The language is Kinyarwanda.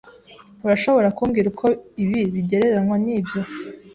Urashobora kumbwira uko ibi bigereranywa nibyo?